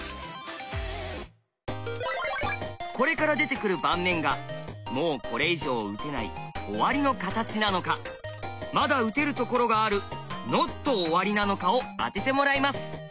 これから出てくる盤面がもうこれ以上打てない「終わりの形」なのかまだ打てるところがある「ＮＯＴ終わり」なのかを当ててもらいます！